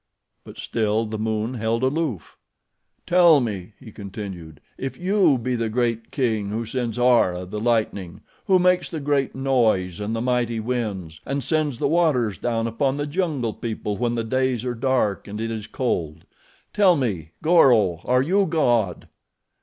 But still the moon held aloof. "Tell me," he continued, "if you be the great king who sends Ara, the lightning; who makes the great noise and the mighty winds, and sends the waters down upon the jungle people when the days are dark and it is cold. Tell me, Goro, are you God?"